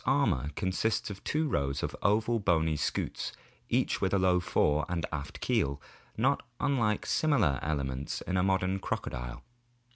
armor consists of two rows of oval bony scutes each with a low fore and aft keel not unlike similar elements in a modern crocodile.